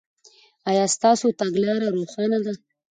ایا ستاسو تګلاره روښانه ده؟